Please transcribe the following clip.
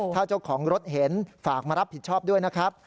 ถ้าเจ้าของรถเห็นฝากมารับผิดชอบด้วยนะครับ